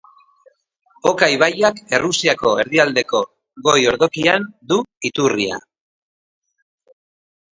Oka ibaiak Errusiako erdialdeko goi-ordokian du iturria.